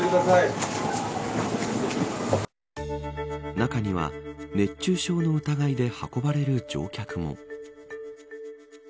中には熱中症の疑いで運ばれる乗客も。